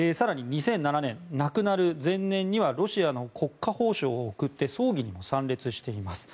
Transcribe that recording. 更に２００７年亡くなる前年にはロシアの国家褒章を贈って葬儀にも参列しています。